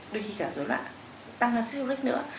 đôi khi cả dối loạn tăng là siêu rích nữa